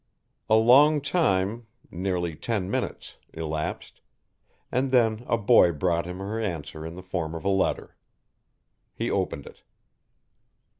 A long time nearly ten minutes elapsed, and then a boy brought him her answer in the form of a letter. He opened it.